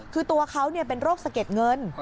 คือตัวเขาเป็นโรคสะเก็ดเงิน